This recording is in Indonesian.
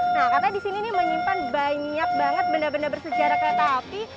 nah katanya di sini nih menyimpan banyak banget benda benda bersejarah kereta api